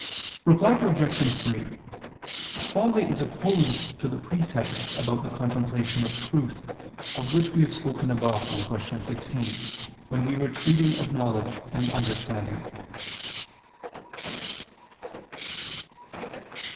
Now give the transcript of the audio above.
Reply Obj. 3: Folly is opposed to the precepts about the contemplation of truth, of which we have spoken above (Q. 16) when we were treating of knowledge and understanding.